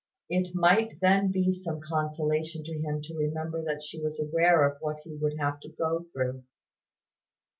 It might then be some consolation to him to remember that she was aware of what he would have to go through.